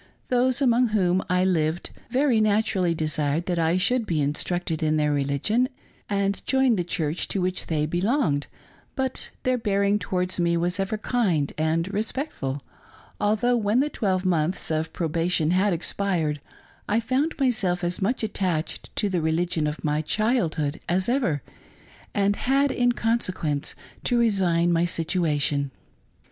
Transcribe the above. Those among whom I lived very naturally desired that I should be instructed in their religion and join the church to which they belonged ; but their bearing towards me was ever kind and respectful ; although when the twelve months of probation had expired, I found myself as much attached to the religion of my child hood as ever, and had in consequence to resign my situa tion.